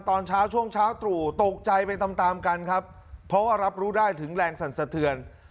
ตอนเช้าช่วงเช้าตรู่ตกใจไปตามตามกันครับเพราะว่ารับรู้ได้ถึงแรงสั่นสะเทือน